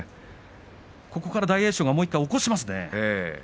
ここから大栄翔がもう一度起こしますね。